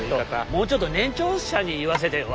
もうちょっと年長者に言わせてよ。